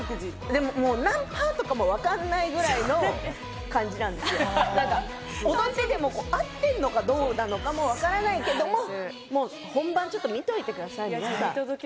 もう何％とかもわからないぐらいの感じなんですけど、踊ってても合ってんのかどうなのかもわからないけれども、本番ちょっと見といてくださいよ。